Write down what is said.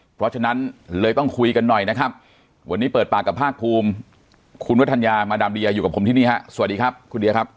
เพราะฉะนั้นเลยต้องคุยกันหน่อยนะครับวันนี้เปิดปากกับภาคภูมิคุณวัฒนยามาดามเดียอยู่กับผมที่นี่ฮะสวัสดีครับคุณเดียครับ